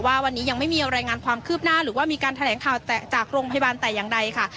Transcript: ว่าวันนี้ยังไม่มีรายงานความคืบหน้าหรือว่ามีการแถลงข่าวจากโรงพยาบาลแต่อย่างใดค่ะ